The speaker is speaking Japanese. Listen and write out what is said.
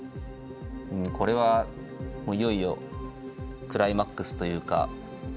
うんこれはもういよいよクライマックスというか。